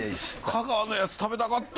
香川のやつ食べたかった。